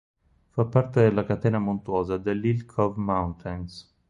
Fa parte della catena montuosa delle "Hill Cove Mountains".